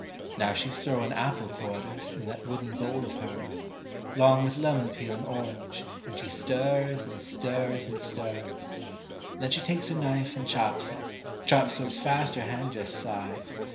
Now she's throwin' apple quarters In that wooden bowl of hers, 'Long with lemon peel and orange, An' she stirs, an' stirs, an' stirs. Then she takes her knife an' chops it, Chops so fast her hand jest flies.